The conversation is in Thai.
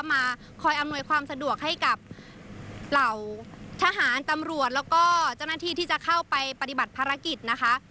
มาคอยอำนวยความสะดวกให้กับเหล่าทหารตำรวจแล้วก็เจ้าหน้าที่ที่จะเข้าไปปฏิบัติภารกิจนะคะ